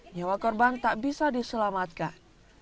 nyawa korban tak bisa diselamatkan